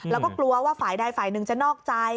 แล้วก็กลัวว่าฝ่ายใดฝ่ายหนึ่งจะนอกใจ